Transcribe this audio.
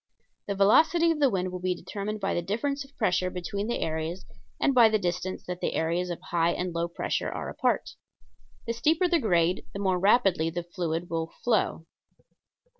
The velocity of the wind will be determined by the difference of pressure between the areas and by the distance that the areas of high and low pressure are apart. The steeper the grade the more rapidly the fluid will flow.